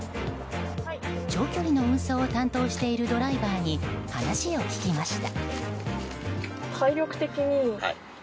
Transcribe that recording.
長距離の運送を担当しているドライバーに話を聞きました。